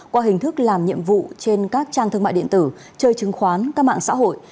qua hình thức làm nhiệm vụ trên các trang thương mại điện tử chơi chứng khoán các mạng xã hội